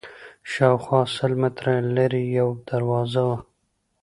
شاوخوا سل متره لرې یوه دروازه وه.